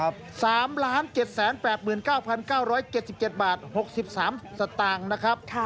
๓๗๘๙๙๗๗บาท๖๓สตางค์นะครับ